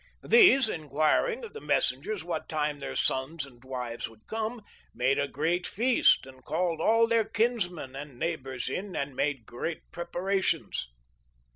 These, enquiring of the messengers what time their sons and wives would come, made a great feast and called all their kinsmen and neighbors in and made great preparations.